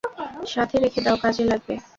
সাথে রেখে দাও, কাজে লাগবে।